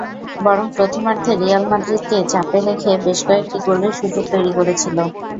বরং প্রথমার্ধে রিয়াল মাদ্রিদকে চাপে রেখে বেশ কয়েকটি গোলের সুযোগ তৈরি করেছিল।